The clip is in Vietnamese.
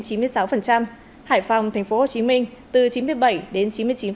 hải phòng tp hcm từ chín mươi bảy đến chín mươi chín